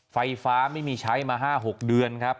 ไฟฟ้าไม่มีใช้มา๕๖เดือนครับ